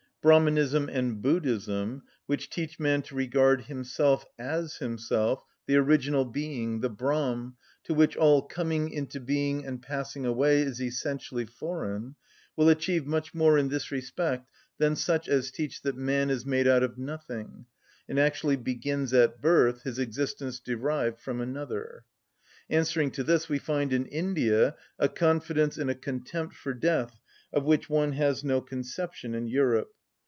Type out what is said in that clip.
Brahmanism and Buddhism, which teach man to regard himself as himself, the original being, the Brahm, to which all coming into being and passing away is essentially foreign, will achieve much more in this respect than such as teach that man is made out of nothing, and actually begins at birth his existence derived from another. Answering to this we find in India a confidence and a contempt for death of which one has no conception in Europe.